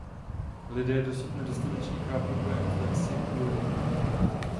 Lidé dosud nedostatečně chápou pojem flexikurity.